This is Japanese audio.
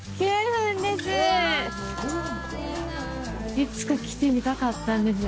いつか来てみたかったんです。